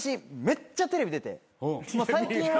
最近は。